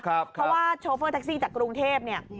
เพราะว่าโชเฟอร์แท็กซี่จากกรุงเทพเนี่ย